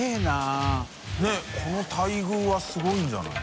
この待遇はすごいんじゃない？